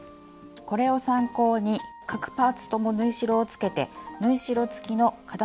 これを参考に各パーツとも縫い代をつけて縫い代つきの型紙を作ります。